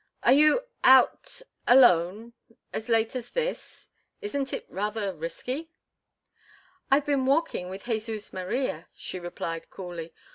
"Are you out—alone—as late as this? Isn't it rather risky?" "I've been walking with Jesus Maria," she replied, coolly.